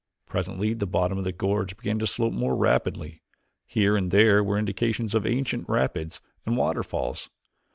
Presently the bottom of the gorge began to slope more rapidly. Here and there were indications of ancient rapids and waterfalls.